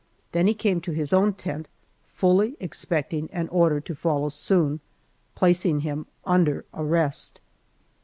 Then he came to his own tent, fully expecting an order to follow soon, placing him under arrest.